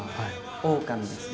オオカミですね。